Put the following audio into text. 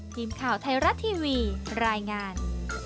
ทีมข่าวไทยรัฐทีวีรายงาน